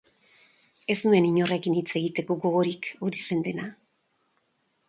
Ez nuen inorekin hitz egiteko gogorik, hori zen dena.